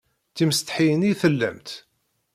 D timsetḥiyin i tellamt?